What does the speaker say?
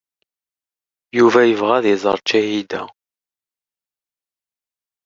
Yuba yebɣa ad iẓer Ǧahida.